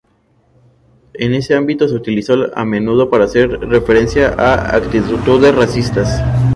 En ese ámbito se utilizó a menudo para hacer referencia a actitudes racistas.